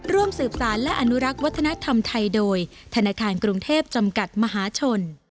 ร่วมสืบสารและอนุรักษ์วัฒนธรรมไทยโดยธนาคารกรุงเทพจำกัดมหาชน